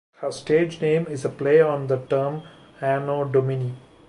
Her stage name is a play on the term Anno Domini.